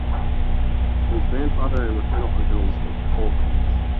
His grandfather and maternal uncles were coal miners.